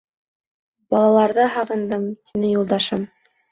— Балаларҙы һағындым, — тине юлдашым.